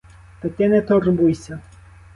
Та ти не турбуйся.